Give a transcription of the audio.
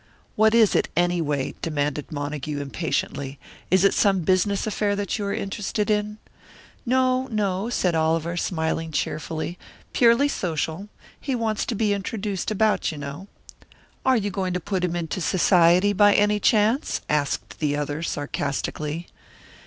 "What is it, anyway?" demanded Montague, impatiently. "Is it some business affair that you are interested in?" "No, no," said Oliver, smiling cheerfully "purely social. He wants to be introduced about, you know." "Are you going to put him into Society, by any chance?" asked the other, sarcastically.